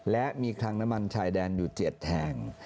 และมีคลังน้ำมันชายแดนอยู่๗แห่ง